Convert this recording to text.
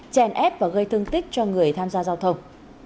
chèn ép và gây thương tích cho người tham gia giao thông